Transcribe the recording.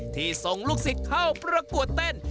ส่งลูกศิษย์เข้าประกวดเต้น